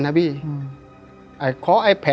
หล่นลงมาสองแผ่นอ้าวหล่นลงมาสองแผ่น